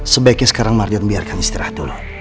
sebaiknya sekarang margion biarkan istirahat dulu